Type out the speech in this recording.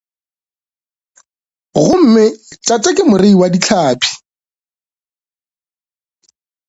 Gomme tate ke morei wa dihlapi.